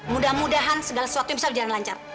mudah mudahan segala sesuatu yang bisa berjalan lancar